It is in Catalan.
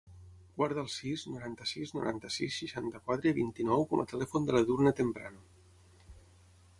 Guarda el sis, noranta-sis, noranta-sis, seixanta-quatre, vint-i-nou com a telèfon de l'Edurne Temprano.